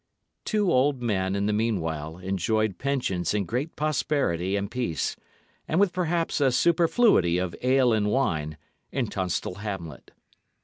Two old men in the meanwhile enjoyed pensions in great prosperity and peace, and with perhaps a superfluity of ale and wine, in Tunstall hamlet.